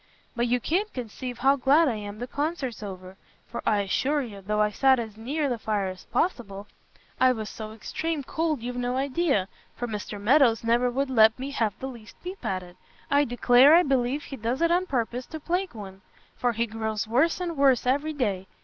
But you can't conceive how glad I am the Concert's over; for I assure you, though I sat as near the fire as possible, I was so extreme cold you've no idea, for Mr Meadows never would let me have the least peep at it. I declare I believe he does it on purpose to plague one, for he grows worse and worse every day.